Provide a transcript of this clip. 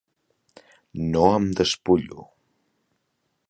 No em despullo.